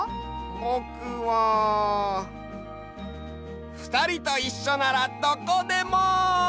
ぼくはふたりといっしょならどこでも！